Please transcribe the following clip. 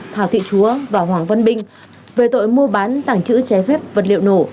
thảo thị chúa và hoàng văn binh về tội mua bán tảng chữ chế phép vật liệu nổ